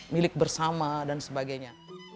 milik bersama dan sebagainya